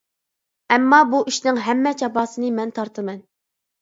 ئەمما بۇ ئىشنىڭ ھەممە جاپاسىنى مەن تارتىمەن.